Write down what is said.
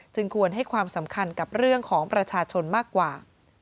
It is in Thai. ควรให้ความสำคัญกับเรื่องของประชาชนมากกว่า